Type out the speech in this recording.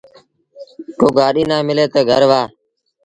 ڪو گآڏيٚ نا ملي تا گھر وهآن۔